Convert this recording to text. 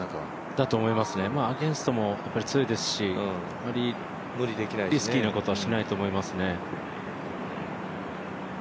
だと思いますね、アゲンストも強いですし、リスキーなことはしないと思いますね。